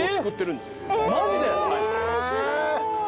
マジで！？